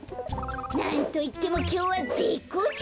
なんといってもきょうはぜっこうちょうなんだから。